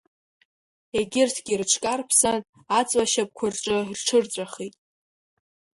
Егьырҭгьы рыҽкарыԥсан аҵла ашьапқәа рҿы рҽырҵәахит.